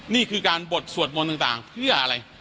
นี่คือการบทสวดมนต์ต่างเพื่ออะไร